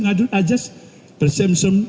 mengadil adjust presumption